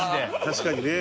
確かにね。